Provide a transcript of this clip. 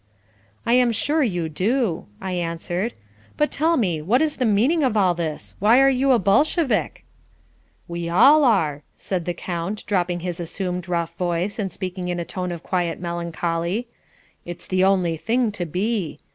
"I am sure you do," I answered. "But tell me, what is the meaning of all this? Why are you a Bolshevik?" "We all are," said the count, dropping his assumed rough voice, and speaking in a tone of quiet melancholy. "It's the only thing to be.